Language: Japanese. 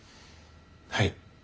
はい。